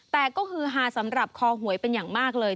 แต่ก็ฮือฮาสำหรับคอหวยเป็นอย่างมากเลย